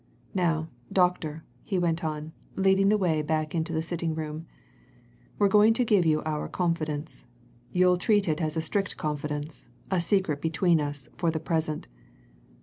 Now, doctor," he went on, leading the way back into the sitting room, "we're going to give you our confidence. You'll treat it as a strict confidence, a secret between us, for the present.